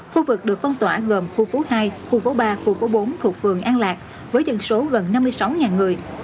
khu vực được phong tỏa gồm khu phố hai khu phố ba khu phố bốn thuộc phường an lạc với dân số gần năm mươi sáu người